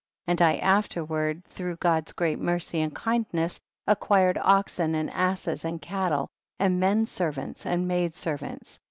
5. And I afterward through God's great mercy and kindness acquired oxen and asses and cattle, and men servants and maid servants.